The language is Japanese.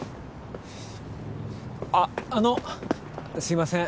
あっあのすいません。